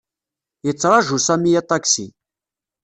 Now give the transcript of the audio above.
Yettṛaju Sami aṭaksi.